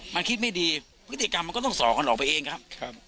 มันคิดไม่ดีพฤติกรรมมันก็ต้องสอกันออกไปเองครับ